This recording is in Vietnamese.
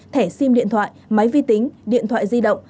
thẻ sim điện thoại máy vi tính điện thoại di động